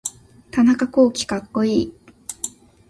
田中洸希かっこいい